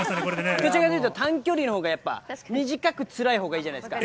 どっちかっていうと短距離のほうがやっぱり、短くつらいほうがいいじゃないですか。